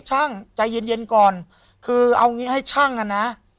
ช่างใจเย็นเย็นก่อนคือเอางี้ให้ช่างอ่ะนะ